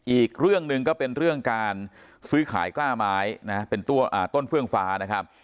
อีกเรื่องหนึ่งก็เป็นเรื่องการซื้อขายกล้าไม้นะเป็นต้นเฟื่องฟ้านะครับ